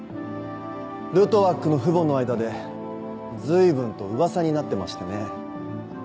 ルトワックの父母の間で随分と噂になってましてね。